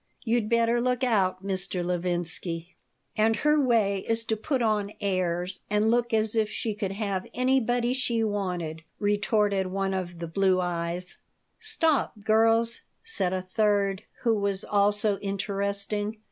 You'd better look out, Mr. Levinsky." "And her way is to put on airs and look as if she could have anybody she wanted," retorted the one of the blue eyes "Stop, girls," said a third, who was also interesting.